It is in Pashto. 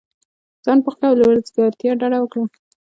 ځان بوخت كړه او له وزګارتیا ډډه وكره!